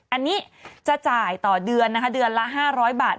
อันนี้จะจ่ายต่อเดือนนะคะเดือนละ๕๐๐บาท